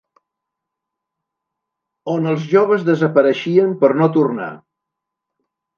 On els joves desapareixien per no tornar